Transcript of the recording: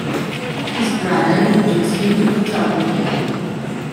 His brother introduced him to photography.